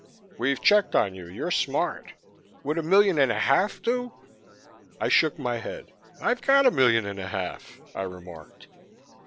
We've checked on you. You're smart. Would a million and a half do?" I shook my head. "I've got a million and a half," I remarked.